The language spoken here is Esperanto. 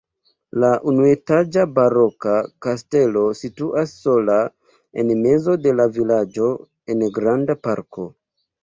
La unuetaĝa baroka kastelo situas sola en mezo de la vilaĝo en granda parko.